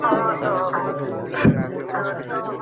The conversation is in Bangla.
রঘুপতি কিঞ্চিৎ সন্দেহের স্বরে কহিলেন, বটে!